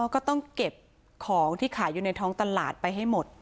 ก็ต้องเก็บของที่ขายอยู่ในท้องตลาดไปให้หมด